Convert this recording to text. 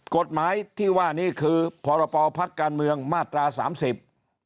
กฎหมายที่ว่านี้คือพรปภักดิ์การเมืองมาตราสามสิบ